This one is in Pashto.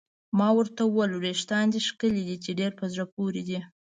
ما ورته وویل: وریښتان دې ښکلي دي، چې ډېر په زړه پورې دي.